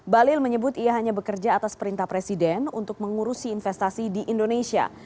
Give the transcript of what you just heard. balil menyebut ia hanya bekerja atas perintah presiden untuk mengurusi investasi di indonesia